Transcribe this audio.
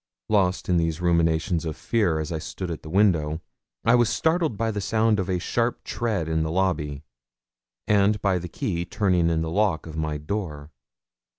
Lost in these ruminations of fear, as I stood at the window I was startled by the sound of a sharp tread on the lobby, and by the key turning in the lock of my door.